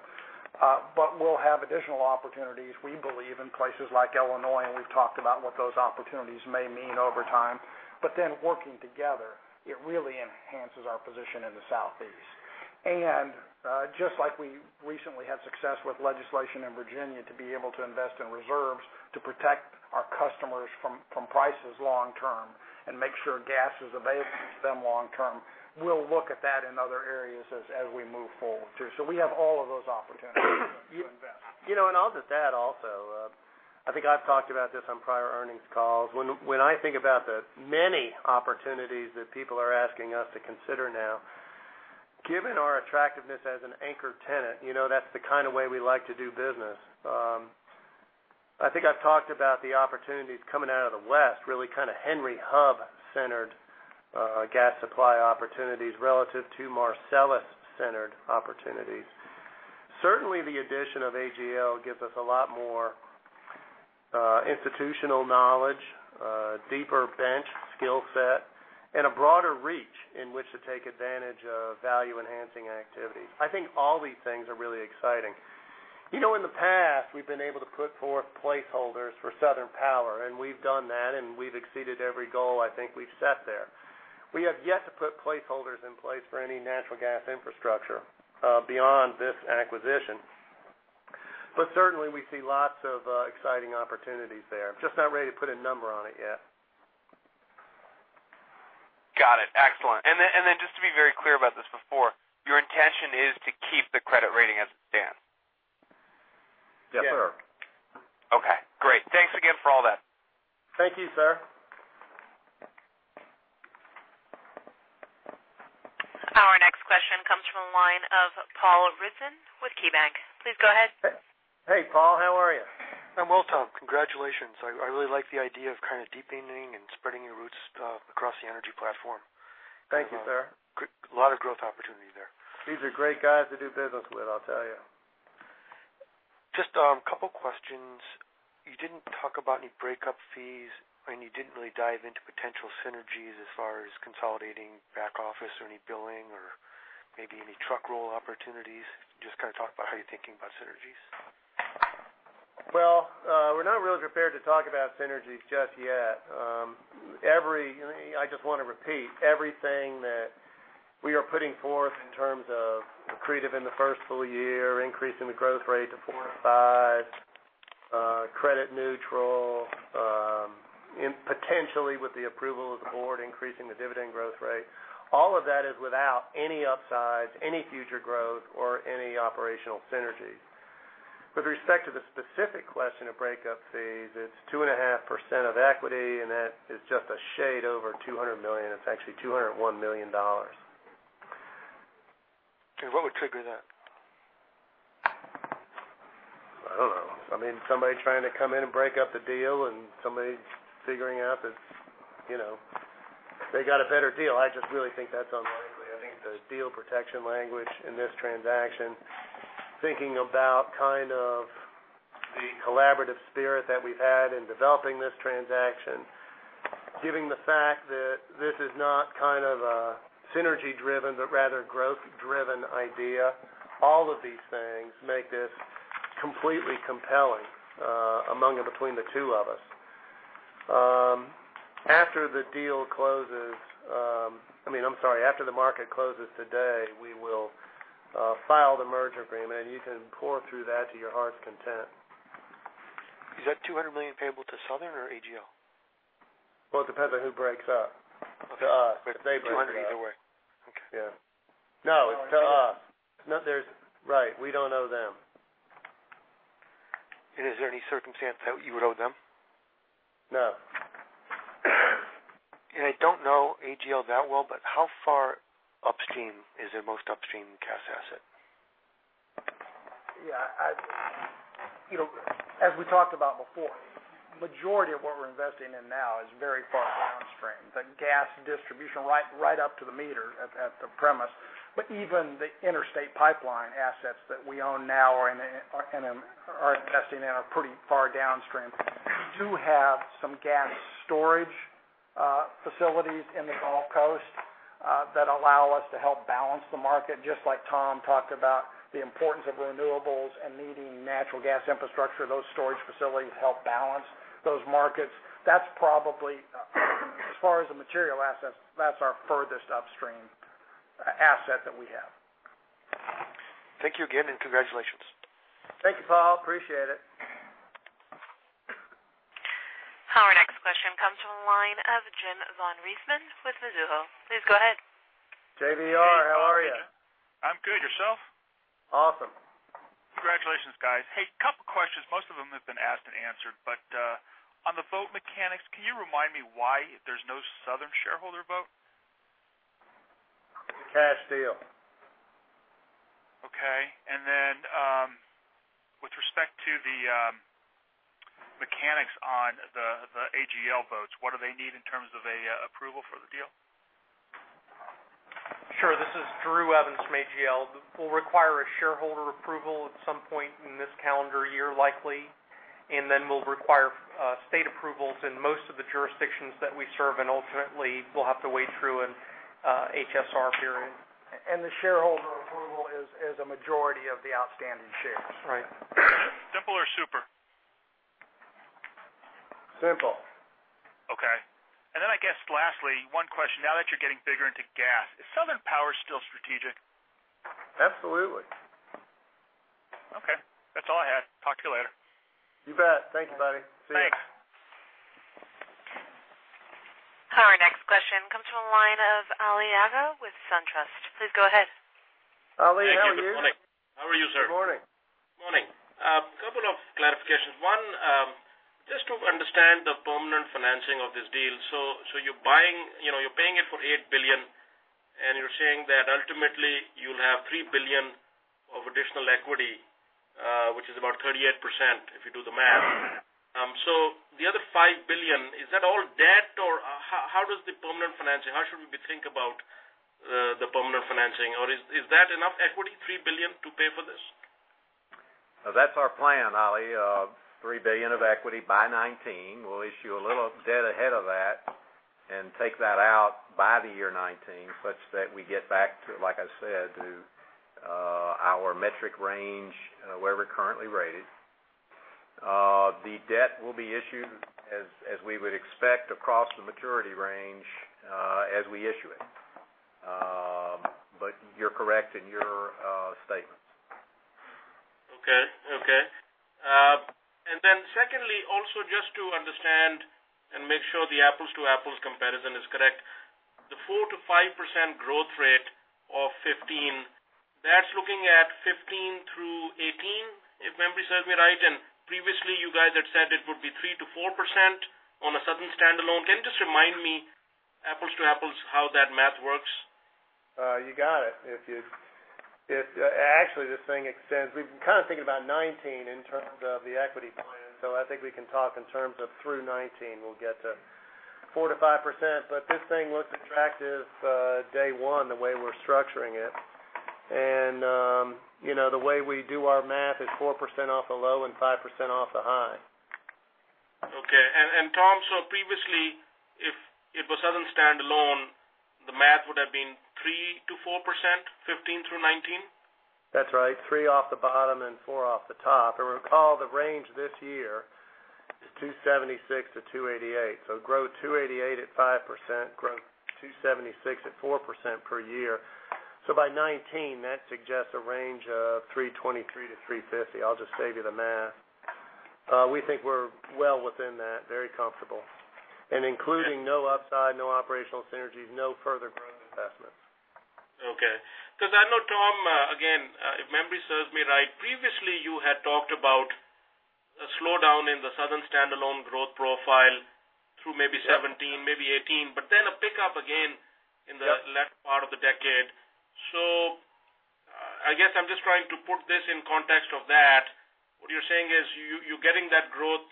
Speaker 4: We'll have additional opportunities, we believe, in places like Illinois. We've talked about what those opportunities may mean over time. Working together, it really enhances our position in the Southeast. Just like we recently had success with legislation in Virginia to be able to invest in reserves to protect our customers from prices long-term and make sure gas is available to them long-term, we'll look at that in other areas as we move forward too. We have all of those opportunities to invest.
Speaker 3: I'll just add also, I think I've talked about this on prior earnings calls. When I think about the many opportunities that people are asking us to consider now, given our attractiveness as an anchor tenant, that's the kind of way we like to do business. I think I've talked about the opportunities coming out of the West, really kind of Henry Hub-centered gas supply opportunities relative to Marcellus-centered opportunities. Certainly, the addition of AGL gives us a lot more institutional knowledge, deeper bench skill set, and a broader reach in which to take advantage of value-enhancing activities. I think all these things are really exciting. In the past, we've been able to put forth placeholders for Southern Power, and we've done that, and we've exceeded every goal I think we've set there. We have yet to put placeholders in place for any natural gas infrastructure, beyond this acquisition. Certainly, we see lots of exciting opportunities there. Just not ready to put a number on it yet.
Speaker 11: Got it. Excellent. Then just to be very clear about this before, your intention is to keep the credit rating as it stands?
Speaker 3: Yes, sir.
Speaker 4: Yes.
Speaker 11: Okay, great. Thanks again for all that.
Speaker 3: Thank you, sir.
Speaker 1: Our next question comes from the line of Paul Ridzon with KeyBanc. Please go ahead.
Speaker 3: Hey, Paul. How are you?
Speaker 12: I'm well, Tom. Congratulations. I really like the idea of kind of deepening and spreading your roots across the energy platform.
Speaker 3: Thank you, sir.
Speaker 12: A lot of growth opportunity there.
Speaker 3: These are great guys to do business with, I'll tell you.
Speaker 12: Just a couple of questions. You didn't talk about any breakup fees, you didn't really dive into potential synergies as far as consolidating back office or any billing or maybe any truck roll opportunities. Just kind of talk about how you're thinking about synergies.
Speaker 3: Well, we're not really prepared to talk about synergies just yet. I just want to repeat everything that we are putting forth in terms of accretive in the first full year, increasing the growth rate to 4% or 5%, credit neutral. Potentially with the approval of the board increasing the dividend growth rate. All of that is without any upsides, any future growth or any operational synergy. With respect to the specific question of breakup fees, it's 2.5% of equity, and that is just a shade over $200 million. It's actually $201 million.
Speaker 12: What would trigger that?
Speaker 3: I don't know. Somebody trying to come in and break up the deal and somebody figuring out that they got a better deal. I just really think that's unlikely. I think the deal protection language in this transaction, thinking about kind of the collaborative spirit that we've had in developing this transaction. Given the fact that this is not a synergy driven, but rather growth driven idea. All of these things make this completely compelling, among and between the two of us. After the deal closes, I'm sorry, after the market closes today, we will file the merger agreement, and you can pore through that to your heart's content.
Speaker 12: Is that $200 million payable to Southern or AGL?
Speaker 3: It depends on who breaks up. To us, if they break up.
Speaker 12: 200 either way. Okay.
Speaker 3: Yeah. No, it's to us. Right, we don't owe them.
Speaker 12: Is there any circumstance that you would owe them?
Speaker 3: No.
Speaker 12: I don't know AGL that well, but how far upstream is their most upstream gas asset?
Speaker 4: Yeah. As we talked about before, majority of what we're investing in now is very far downstream. The gas distribution right up to the meter at the premise. Even the interstate pipeline assets that we own now or are investing in are pretty far downstream. We do have some gas storage facilities in the Gulf Coast that allow us to help balance the market, just like Tom talked about the importance of renewables and needing natural gas infrastructure. Those storage facilities help balance those markets. That's probably, as far as the material assets, that's our furthest upstream asset that we have.
Speaker 12: Thank you again, and congratulations.
Speaker 4: Thank you, Paul. Appreciate it.
Speaker 1: Our next question comes from the line of James von Riesemann with Mizuho. Please go ahead.
Speaker 3: JVR, how are you?
Speaker 13: I'm good. Yourself?
Speaker 3: Awesome.
Speaker 13: Congratulations, guys. Hey, couple questions. Most of them have been asked and answered, but, on the vote mechanics, can you remind me why there's no Southern shareholder vote?
Speaker 3: Cash deal.
Speaker 13: Okay. Then, with respect to the mechanics on the AGL votes, what do they need in terms of an approval for the deal?
Speaker 14: Sure. This is Drew Evans from AGL. We'll require a shareholder approval at some point in this calendar year, likely. Then we'll require state approvals in most of the jurisdictions that we serve, and ultimately we'll have to wait through an HSR period.
Speaker 4: The shareholder approval is a majority of the outstanding shares.
Speaker 13: Right. Simple or super?
Speaker 3: Simple.
Speaker 13: Okay. I guess lastly, one question. Now that you're getting bigger into gas, is Southern Power still strategic?
Speaker 3: Absolutely.
Speaker 13: Okay. That's all I had. Talk to you later.
Speaker 3: You bet. Thank you, buddy. See you.
Speaker 13: Thanks.
Speaker 1: Our next question comes from the line of Ali Agha with SunTrust. Please go ahead.
Speaker 3: Ali, how are you?
Speaker 15: Thank you. Good morning. How are you, sir?
Speaker 3: Good morning.
Speaker 15: Morning. Couple of clarifications. One, just to understand the permanent financing of this deal. You're paying it for $8 billion, and you're saying that ultimately you'll have $3 billion of additional equity, which is about 38% if you do the math. The other $5 billion, is that all debt, or how should we think about the permanent financing, or is that enough equity, $3 billion, to pay for this?
Speaker 3: That's our plan, Ali Agha, $3 billion of equity by 2019. We'll issue a little debt ahead of that and take that out by the year 2019, such that we get back to, like I said, to our metric range, where we're currently rated. The debt will be issued as we would expect across the maturity range, as we issue it. You're correct in your statements.
Speaker 15: Okay. Secondly, also just to understand and make sure the apples to apples comparison is correct. The 4%-5% growth rate of 15, that's looking at 2015 through 2018, if memory serves me right. Previously you guys had said it would be 3%-4% on a Southern Company standalone. Can you just remind me, apples to apples, how that math works?
Speaker 3: You got it. Actually, this thing extends. We've been kind of thinking about 2019 in terms of the equity plan. I think we can talk in terms of through 2019, we'll get to 4%-5%, this thing looks attractive day one, the way we're structuring it. The way we do our math is 4% off the low and 5% off the high.
Speaker 15: Okay. Tom, previously, if it was Southern Company standalone, the math would have been 3%-4%, 2015 through 2019?
Speaker 3: That's right, three off the bottom and four off the top. Recall the range this year is 276-288. Grow 288 at 5%, grow 276 at 4% per year. By 2019, that suggests a range of 323-350. I'll just save you the math. We think we're well within that, very comfortable. Including no upside, no operational synergies, no further growth investments.
Speaker 15: Okay. I know, Tom, again, if memory serves me right, previously you had talked about a slowdown in the Southern standalone growth profile through maybe 2017, maybe 2018, but then a pickup again in the latter part of the decade. I guess I'm just trying to put this in context of that. What you're saying is, you're getting that growth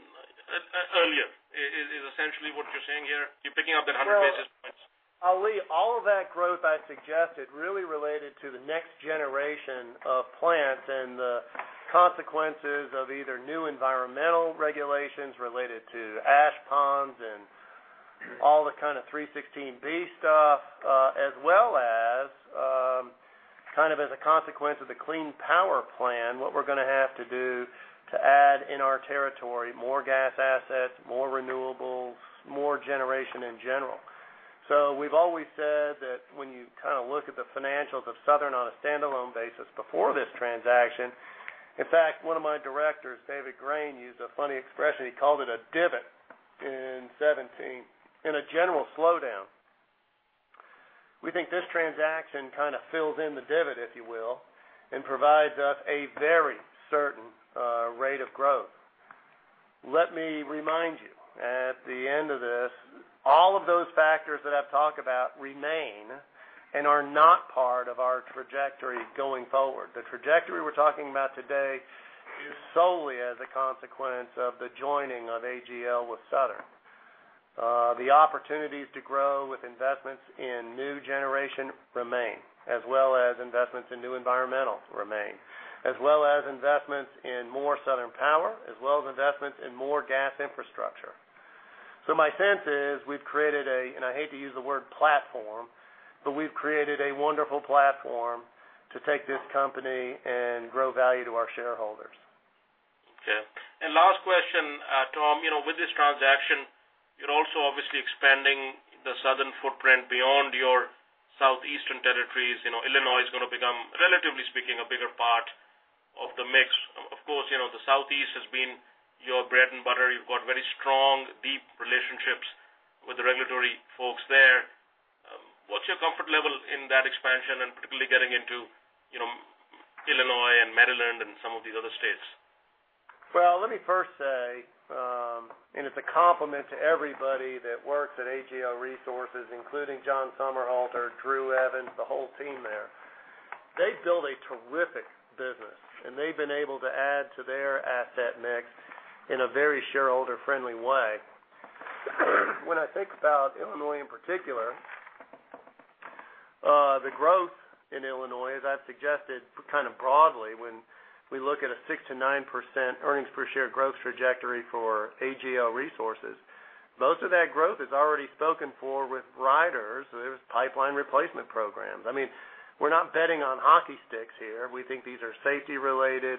Speaker 15: earlier, is essentially what you're saying here. You're picking up that 100 basis points.
Speaker 3: Ali, all of that growth I suggested really related to the next generation of plants and the consequences of either new environmental regulations related to ash ponds and all the kind of 316(b) stuff. As well as, kind of as a consequence of the Clean Power Plan, what we're going to have to do to add in our territory, more gas assets, more renewables, more generation in general. We've always said that when you kind of look at the financials of Southern Company on a standalone basis before this transaction, in fact, one of my directors, David Grain, used a funny expression. He called it a divot in 2017, and a general slowdown. We think this transaction kind of fills in the divot, if you will, and provides us a very certain rate of growth. Let me remind you, at the end of this, all of those factors that I've talked about remain and are not part of our trajectory going forward. The trajectory we're talking about today is solely as a consequence of the joining of AGL Resources with Southern Company. The opportunities to grow with investments in new generation remain. As well as investments in new environmental remain. As well as investments in more Southern Power, as well as investments in more gas infrastructure. My sense is we've created a, and I hate to use the word platform, but we've created a wonderful platform to take this company and grow value to our shareholders.
Speaker 15: Okay. Last question, Tom. With this transaction, you're also obviously expanding the Southern footprint beyond your Southeastern territories. Illinois is going to become, relatively speaking, a bigger part of the mix. Of course, the Southeast has been your bread and butter. You've got very strong, deep relationships with the regulatory folks there. What's your comfort level in that expansion, and particularly getting into Illinois and Maryland and some of these other states?
Speaker 3: Well, let me first say, it's a compliment to everybody that works at AGL Resources, including John Somerhalder, Drew Evans, the whole team there. They've built a terrific business. They've been able to add to their asset mix in a very shareholder-friendly way. When I think about Illinois in particular, the growth in Illinois, as I've suggested kind of broadly when we look at a 6%-9% earnings per share growth trajectory for AGL Resources, most of that growth is already spoken for with riders. There's pipeline replacement programs. I mean, we're not betting on hockey sticks here. We think these are safety-related,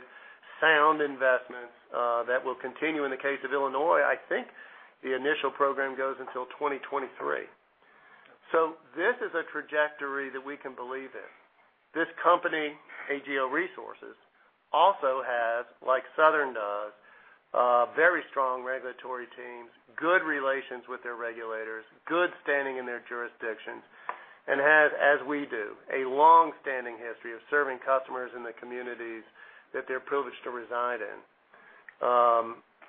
Speaker 3: sound investments that will continue. In the case of Illinois, I think the initial program goes until 2023. This is a trajectory that we can believe in. This company, AGL Resources, also has, like Southern does, very strong regulatory teams, good relations with their regulators, good standing in their jurisdictions, and has, as we do, a long-standing history of serving customers in the communities that they're privileged to reside in.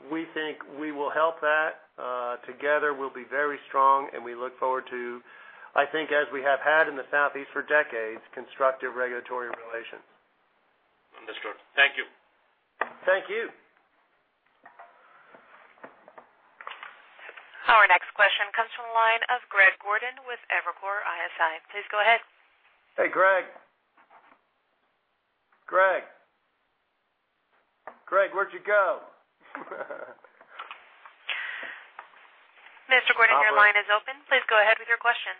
Speaker 3: We think we will help that. Together, we'll be very strong, we look forward to, I think as we have had in the Southeast for decades, constructive regulatory relations.
Speaker 15: Understood. Thank you.
Speaker 3: Thank you.
Speaker 1: Our next question comes from the line of Greg Gordon with Evercore ISI. Please go ahead.
Speaker 3: Hey, Greg. Greg? Greg, where'd you go?
Speaker 1: Mr. Gordon, your line is open. Please go ahead with your question.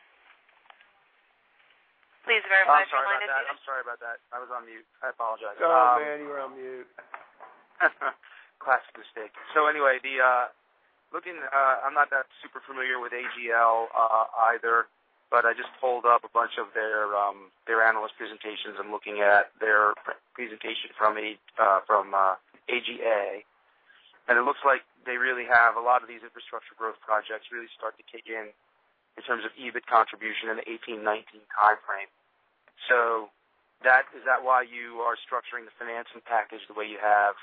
Speaker 1: Please verify your line is open.
Speaker 16: I'm sorry about that. I was on mute. I apologize.
Speaker 3: Oh, man, you were on mute.
Speaker 16: Classic mistake. Anyway, I'm not that super familiar with AGL either, but I just pulled up a bunch of their analyst presentations. I'm looking at their presentation from AGA. It looks like they really have a lot of these infrastructure growth projects really start to kick in terms of EBIT contribution in the 2018, 2019 time frame. Is that why you are structuring the financing package the way you have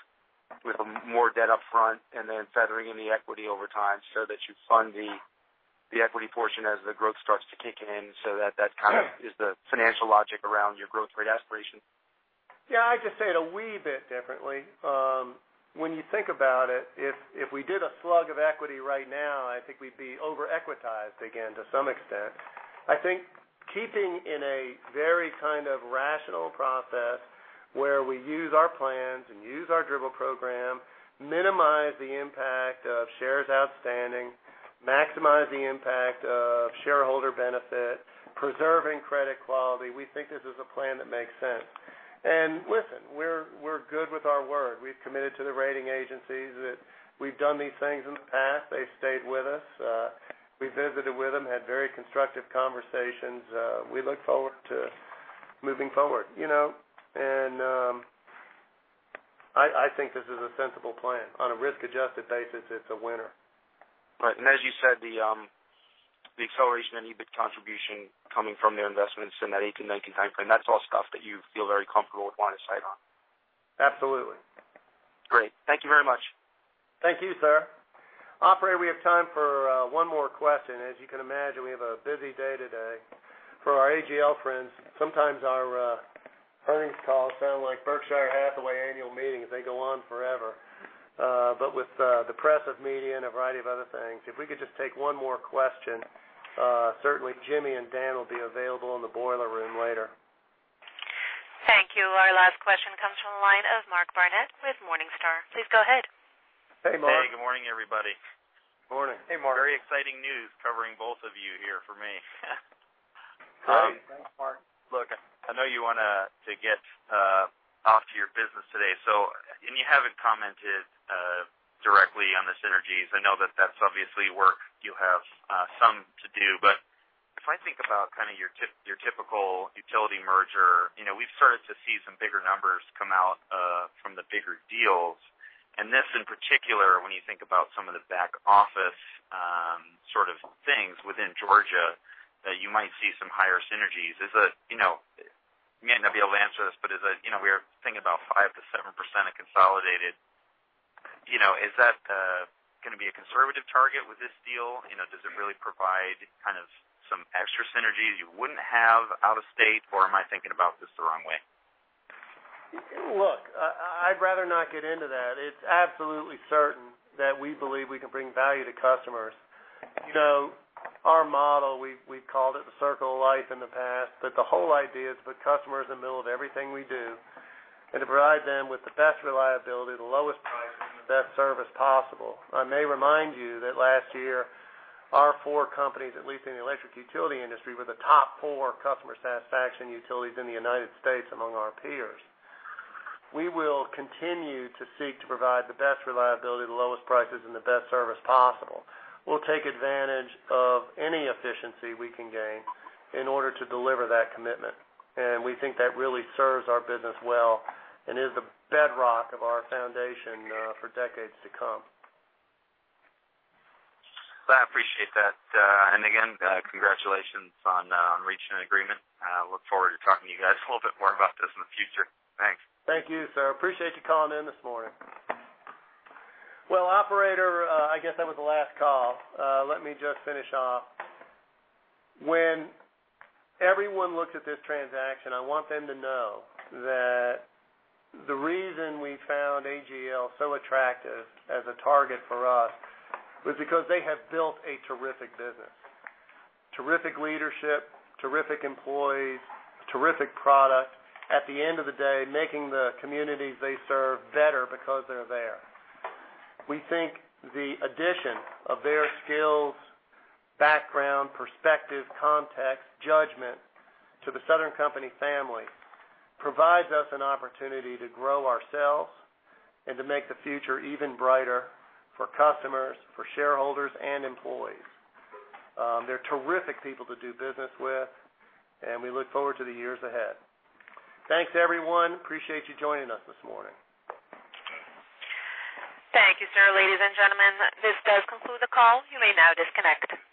Speaker 16: with more debt up front and then feathering in the equity over time so that you fund the equity portion as the growth starts to kick in, so that that kind of is the financial logic around your growth rate aspiration?
Speaker 3: Yeah, I just say it a wee bit differently. When you think about it, if we did a slug of equity right now, I think we'd be over-equitized again to some extent. I think keeping in a very kind of rational process where we use our plans and use our DRIP program, minimize the impact of shares outstanding, maximize the impact of shareholder benefit, preserving credit quality, we think this is a plan that makes sense. Listen, we're good with our word. We've committed to the rating agencies that we've done these things in the past. They've stayed with us. We visited with them, had very constructive conversations. We look forward to moving forward. I think this is a sensible plan. On a risk-adjusted basis, it's a winner.
Speaker 16: Right. As you said, the acceleration and EBIT contribution coming from their investments in that 2018, 2019 timeframe, that's all stuff that you feel very comfortable with line of sight on.
Speaker 3: Absolutely.
Speaker 16: Great. Thank you very much.
Speaker 3: Thank you, sir. Operator, we have time for one more question. As you can imagine, we have a busy day today. For our AGL friends, sometimes our earnings calls sound like Berkshire Hathaway annual meetings. They go on forever. With the press of media and a variety of other things, if we could just take one more question. Certainly, Jimmy and Dan will be available in the boiler room later.
Speaker 1: Thank you. Our last question comes from the line of Mark Barnett with Morningstar. Please go ahead.
Speaker 3: Hey, Mark.
Speaker 17: Hey, good morning, everybody.
Speaker 3: Morning.
Speaker 4: Hey, Mark. Very exciting news covering both of you here for me.
Speaker 3: Thanks, Mark.
Speaker 17: Look, I know you want to get off to your business today. You haven't commented directly on the synergies. I know that that's obviously work you have some to do. If I think about your typical utility merger, we've started to see some bigger numbers come out from the bigger deals. This in particular, when you think about some of the back office sort of things within Georgia, that you might see some higher synergies. You may not be able to answer this, but we are thinking about 5%-7% of consolidated. Is that going to be a conservative target with this deal? Does it really provide some extra synergies you wouldn't have out of state, or am I thinking about this the wrong way?
Speaker 3: Look, I'd rather not get into that. It's absolutely certain that we believe we can bring value to customers. Our model, we've called it the circle of life in the past, the whole idea is to put customers in the middle of everything we do and to provide them with the best reliability, the lowest pricing, the best service possible. I may remind you that last year, our four companies, at least in the electric utility industry, were the top four customer satisfaction utilities in the U.S. among our peers. We will continue to seek to provide the best reliability, the lowest prices, and the best service possible. We'll take advantage of any efficiency we can gain in order to deliver that commitment. We think that really serves our business well and is the bedrock of our foundation for decades to come.
Speaker 17: I appreciate that. Again, congratulations on reaching an agreement. I look forward to talking to you guys a little bit more about this in the future. Thanks.
Speaker 3: Thank you, sir. Appreciate you calling in this morning. Well, operator, I guess that was the last call. Let me just finish off. When everyone looks at this transaction, I want them to know that the reason we found AGL so attractive as a target for us was because they have built a terrific business. Terrific leadership, terrific employees, terrific product. At the end of the day, making the communities they serve better because they're there. We think the addition of their skills, background, perspective, context, judgment to the Southern Company family provides us an opportunity to grow ourselves and to make the future even brighter for customers, for shareholders, and employees. They're terrific people to do business with, and we look forward to the years ahead. Thanks, everyone. Appreciate you joining us this morning.
Speaker 1: Thank you, sir. Ladies and gentlemen, this does conclude the call. You may now disconnect.